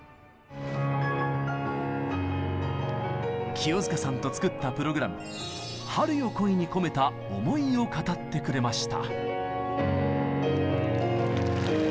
清塚さんと作ったプログラム「春よ、来い」に込めた思いを語ってくれました。